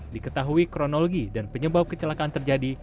diketahui kronologi dan penyebab kecelakaan terjadi